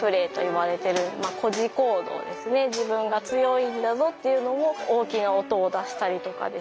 自分が強いんだぞっていうのを大きな音を出したりとかですね